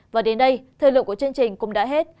và đến đây thời lượng của chương trình cũng đã hết